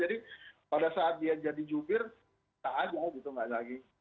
jadi pada saat dia jadi jubir kita aja gitu enggak lagi